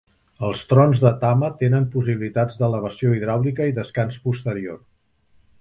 Els trons de Tama tenen possibilitats d'elevació hidràulica i descans posterior.